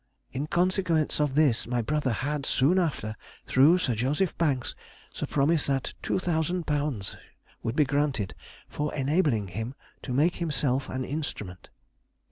In consequence of this my brother had soon after, through Sir J. Banks, the promise that £2000 would be granted for enabling him to make himself an instrument.